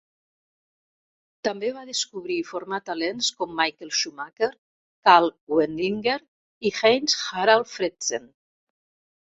També va descobrir i formar talents com Michael Schumacher, Karl Wendlinger i Heinz-Harald Frentzen.